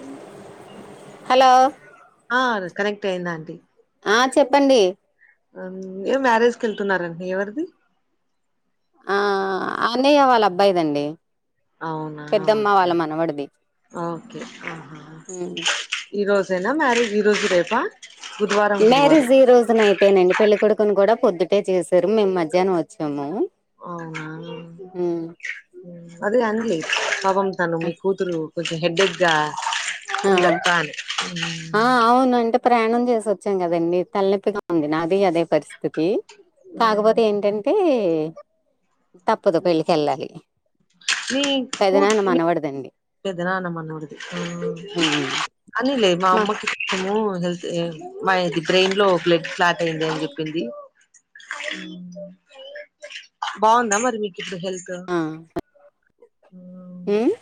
ఉమ్ hello connect అయిందాంటి ఆ చెప్పండి ఏ మ్యారేజ్కి వెళ్తున్నారండి ఎవరిది ఆ అన్నయ్య వాళ్ళ అబ్బాయిదండి అవునా పెద్దమ్మ వాళ్ళ ఓకే ఓకే ఆహా ఉమ్ ఈ రోజేనా మ్యారేజ్ ఈ రోజు రేపా బుధవారం గురువారం మ్యారేజ్ ఈ రోజును నైటెనండి పెళ్ళికొడుకుని కూడా పొద్దుటే చేస్ రు మేము మధ్యాహ్నం వచ్చాము అవునా హ్మ్. ఉమ్ అదే అంజలి పాపం తను మీ కూతురు కొంచెం హెడ్డేక్ గా ఆ ఉందక్క అన ఉమ్ ఆ అవును అంటే ప్రయాణం చేసోచ్చాం కదండి తలనొప్పిగా ఉంది నాది అదే పరిస్థితి హ్మ్. కాకపోతే ఏంటంటే తప్పదు పెళ్ళికి వెళ్ళాలి పెదనాన్న మనవడిదండి పెదనాన్న మనవడిది ఉమ్ అనిలే మా అమ్మ కి త హెల్త్ మాది బ్రెయిన్ లో బ్లడ్ క్లాట్ అయింది అని చెప్పింది ఉమ్ బాగుందా మరి మీక్ ఇప్పుడు హెల్త్ ఉమ్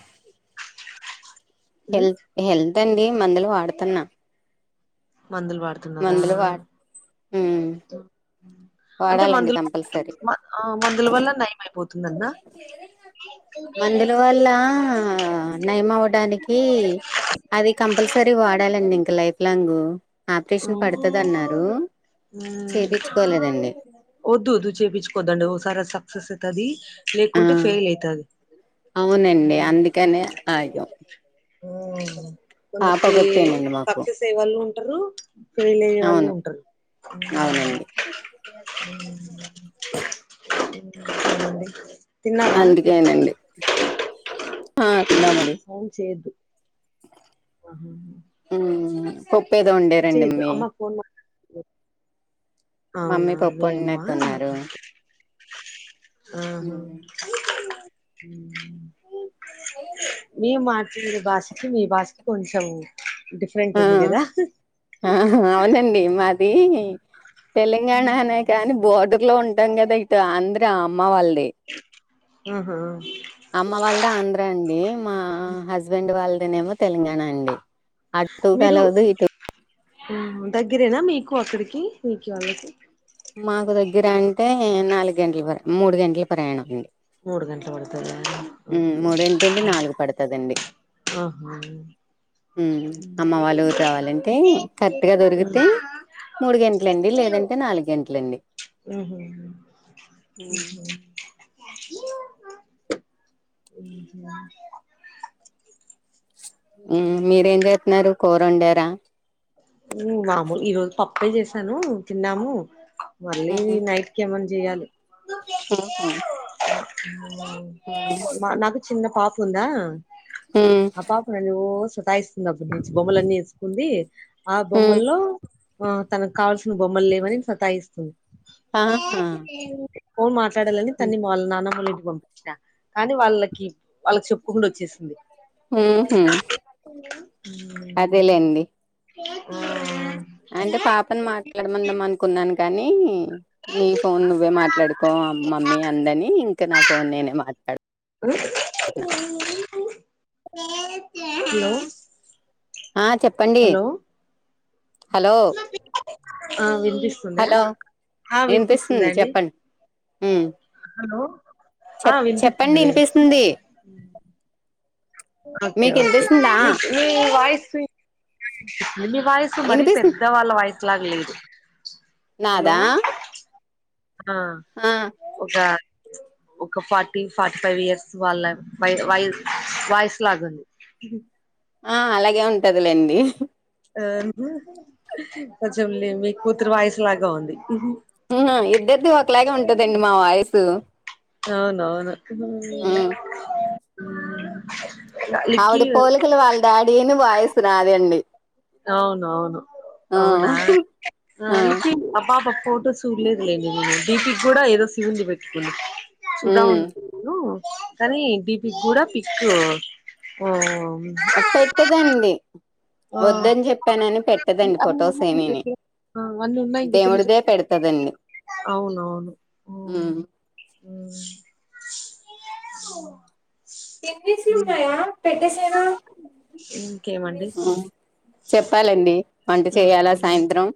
హెల్ హెల్త్ అండి మందులు వాడుతున్నా మందులు వాడుతున్నారా మందులు వాడు ఉమ్ అంటే వాడాలండి మందులు కంపల్సరీ మ ఆ మందుల వల్ల నయం అయిపోతుందంటనా మందుల వల్ల నయం అవ్వడానికి అది కంపల్సరీ వాడాలండి ఇంక లైఫ్ లాంగ్ ఆపరేషన్ పడుతదన్నారు ఉమ్ వద్దు వద్దు చేయిించుకోద్దండి ఒక సారి అది సక్సెస్ అవుతది ఆ లేకుంటే ఫెయిల్ అయితాది అవునండి అందుకనే ఆగాం ఉమ్ కొందరికి పాపకొత్తేనండి మాకు సక్సెస్ అయ్యే వాళ్ళు ఉంటారు ఫెయిల్ అయ్యే వాళ్ళు అవును ఉంటారు అవునండి ఉమ్ ఇంకెంటండి అందుకేనండి ఆ తిన్నామండి ఫోన్ చేయదు అ హా ఉమ్ పప్పు ఏదో వండారండి చేయదు మమ్మీ అమ్మ ఫోన్ మాట్లాడుతుంది అవునా మమ్మీ పప్పు మీ అమ్మా వండినట్టున్నారు ఒకే ఆహా ఉమ్ ఉమ్ నే మాట్లాడే భాష కి మీ భాషకి కొంచం ఆ ఆ అవునండి మా ది తెలంగాణనే కానీ బోర్డర్ లో ఉంటాం కదా ఇటు ఆంధ్ర అమ్మ వాళ్ళది ఆహ అమ్మ వాళ్ళది ఆంధ్ర అండి మా హస్బెండ్ వాళ్ళదేమో తెలంగాణ అండి అటు మీరు కలవదు ఇటు దగ్గరేనా మీకు అక్కడికి మీకు వాళ్ళకి మాకు దగ్గర అంటే నాలుగు గంటల మూడు గంటల ప్రయాణం అండి మూడు గంటలు పడుతది మూడు ఏంటండి నాలుగు పడుతదండి ఆ అమ్మ వాళ్ళ ఊరు రావాలంటే కరెక్ట్ గా దొరికితే మూడు గంటలండి లేదంటే నాలుగు గంటలండి ఉహ ఉమ్, అ మీరేం చెతున్నారు కూరండార మ్ మామూలు ఈ రోజు పప్పే చేసాను తిన్నాము మళ్ళీ ఉమ్, నైట్కి ఏమన్నా చెయాలి ఉహు ఉమ్ బ నాకు చిన్న పాప ఉందా ఉ ఆ పాప నన్ను సతాయిస్తుంది అప్పుడు నుంచి బొమ్మలన్నీ వేసుకుంది ఆ ఉ బొమ్మల్లో ఆ తనకు కావాల్సిన బొమ్మలు లేవని సతాయిస్తుంది ఆహా పోన్ మాట్లాడాలని తన్ని వాళ్ళ నాన్నమ్మోలి పంపించిన కానీ వాళ్ళకి వాళ్ళకి చెప్పుకుండా వచ్చేసింది హు హు అదే లేండి అ అంటే పాపను మాట్లాడమందాం అనుకున్నాను కానీ నీ హలో ఫోన్ నువ్వే మాట్లాడుకో మమ్మీ అందని ఇంకా నా ఫోన్ నేనే మాట్లాడుకు హలో ఆ చెప్పండి హలో ఆ వినిపిస్తుందా హలో ఆ వినిపిస్తుంది అండి ఉమ్ హలో ఆ చెప్ చెప్పండి వినిపిస్తుంది లే వినిపిస్తుంది ఓకే మీకు వినిపిస్తుందా ఒకే నీ వాయసు [unintelligible] మీ వాయిసు మరి వినిపిస్తుంది పెద్ద వాళ్ళ వాయిసులా లేదు హలో నాదా ఆ ఆ ఒక ఒక పార్టీ ఫార్టీఫైవ్ ఇయర్స్ వల్ల వయ వాయిసులాగా ఉంది హుహ్ ఆ అలాగే ఉంటదిలేండి హుహ్ కొంచెం మీ మీ కూతురు వాయిస్ లాగా ఉంది హుహ్ ఇద్దరిది ఒకలాగే ఉంటదండి మా వాయిస్ అవును అవును ఆవిడ పోలికలు వాళ్ళ డాడీ ను వాయిస్ నాదండి అవును అవును ఆ! అవునా ఆ! [unintelligible] పాప ఫోటో చూడలేదులేండి నేను డీపీ కూడా ఏదో శివునిది పెట్టుకుంది చూద్దాం హ్మ్. అనుకుంటున్న కానీ డీపీ కూడా పిక్కు ఉ ఉ పెట్టదండి ఆ వొద్దని చెప్పనని పెట్టదండి ఫొటోస్ ఏమి ను అవి అన్ని ఉన్నాయి ఇంకేడించి అవును అవును హ్మ్. [inaudible] ఇంకేమండి [inaudible] చెప్పాలండి వంట ఉ చేయాలా ఉ సాయంత్రం?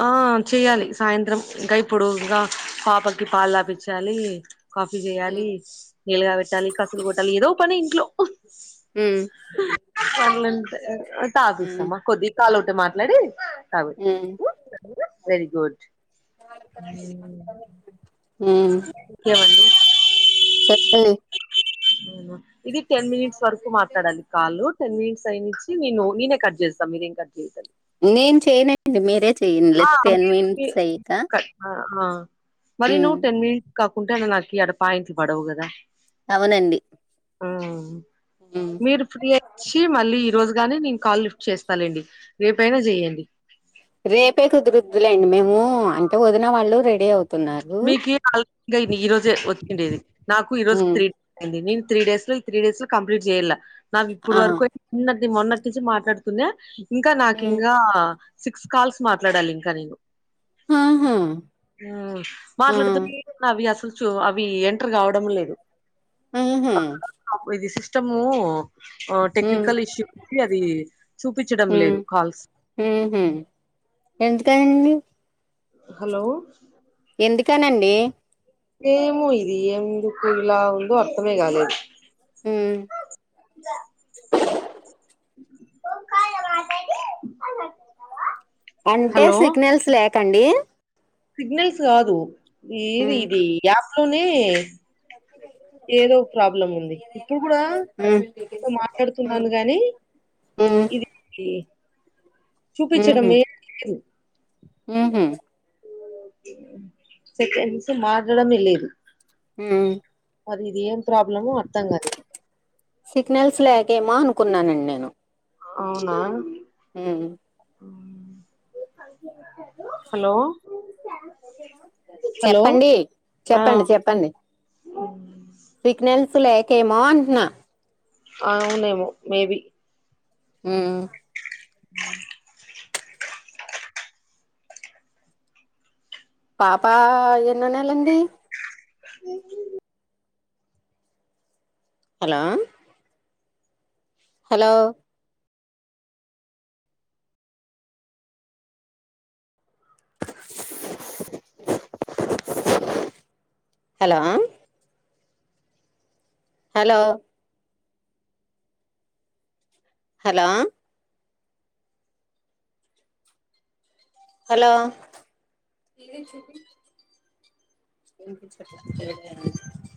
ఆ చెయ్యాలి సాయ సాయంత్రం ఇంకా ఇప్పుడు ఇంకా పాపకి పాలు తపించాలి కాఫీ చేయాలి నీళ్ళు కాగాపెట్టాలి కసలు కొట్టాలే ఏదో ఓ పని ఇంట్లో హు హ్మ్. [inaudible] టాబ్లెట్స్ అమ్మ కాల్ ఓటి మాట్లాడి ఉ వెరీ గుడ్ చెప్పాలే అవునా ఇది టెన్ మినిట్స్ వరకు మాట్లాడాలి కాలు, టెన్ మినిట్స్ అయిన్ తె నేను నేనే కట్ జేస్తా మీరేం కట్ చేయకండి నేన్ చేయన్లెండి మీరే చేయండి ఆ టెన్ మినిట్స్ అయ్యాక మళ్ళీ హ్మ్. నువ్ టెన్ మినిట్స్ కాకుంటే ఇంగ నకియాల పాయింట్లు పడవు గదా. అవునండి ఆ హ్మ్. మీరు ఫ్రీయే చ్చి మళ్ళీ ఈ రోజుగానే నేను కాల్ లిఫ్ట్ చేస్తాలేండి రేపైనా జేయండి. రేపే కుదురుద్దులేండి మేము, అంటే వదిన వాళ్ళు రెడీ అవుత్ మీకు [unintelligible] ఈ రోజే వచ్చిండేది నాకు ఈ రోజు హ్మ్ త్రీ డేస్ అయింది నేను త్రీ డేస్ లో ఇ త్రీ డేస్ లో కంప్లీట్ చేయలా, నాగిప్పుడు ఆ వరకు ఉన్న నే మొన్నటి నుంచి మాట్లాడుతున్న ఇంకా హ్మ్ నాకింగా సిక్స్ కాల్స్ మాట్లాడాలింకా నేను ఊ ఆహా ఆ మాట్లాడుతుంది నవ్య సూచు అవి ఎన్ టరు కావడం గుడ లేదు, ఆహా ఇది సిస్టమూ ఆ హ్మ్ టెక్నికల్ ఇష్యూ ఉంది, అది చూపిచడం లేదు కాల్స్ ఉమ్ హు ఎందుకండి హలో ఎందుకనండి? ఏమో ఇది ఎందుకు ఇలా ఉందో అర్థమే కాలేదు. ఉమ్ మా అంటే సిగ్నల్స్ లేకండి సిగ్నల్స్ కాదు ఏది హ్మ్ ఇది యాప్ లోనే ఏదో ప్రాబ్లం ఉంది ఇప్పుడు గుడా హ్మ్ ఒ మాట్లాడుతున్నాను హ్మ్ గాని హ్మ్ ఇదేంది ఊహూ చూపిచడమేమ్ లేదు ఊహూ సెకండ్స్ మారడమేలేదు ఉమ్ పదిఇదిఏం సిగ్నల్స్ లేకేమో అనుకున్నానండి నేను అవునా హ్మ్ హలో హలో చెప్పండీ చెప్పండి చెప్పండి ఉమ్ సిగ్నల్స్ లేకేమో అంటున్నా ఆవునేమో మే బి ఉమ్ ఉమ్ హ్మ్ పాపా ఎన్నో నెలండి అ hello hello hello hello hello hello విన్పించట్ల ఏదో [unintelligible]